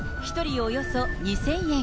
およそ２０００円。